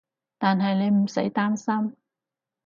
但係你唔使擔心